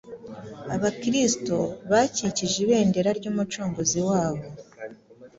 Abakristo bakikije ibendera ry’Umucunguzi wabo